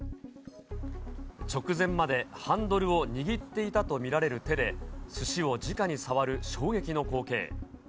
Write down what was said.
直前までハンドルを握っていたと見られる手で、すしをじかに触る衝撃の光景。